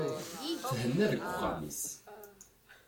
Thenna deg uxxam-is.